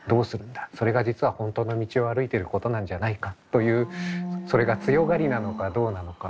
それが実は本当の道を歩いてることなんじゃないか」というそれが強がりなのかどうなのか。